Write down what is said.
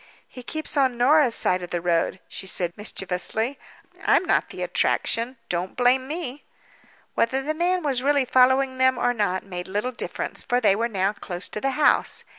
"He keeps on Norah's side of the road," she said, mischievously. "I'm not the attraction—don't blame me." Whether the man was really following them, or not, made little difference, for they were now close to the house.